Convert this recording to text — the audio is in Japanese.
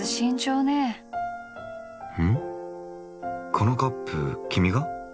このカップ君が？